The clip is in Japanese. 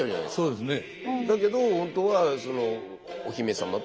そうですね。